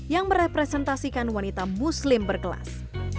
yang merepresentasikan wanita muslim berkelas